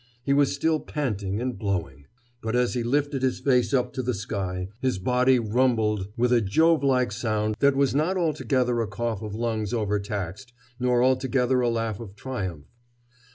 He was still panting and blowing. But as he lifted his face up to the sky his body rumbled with a Jove like sound that was not altogether a cough of lungs overtaxed nor altogether a laugh of triumph.